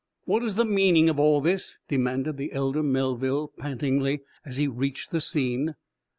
"What's the meaning of all this?" demanded the elder Melville, pantingly, as he reached the scene.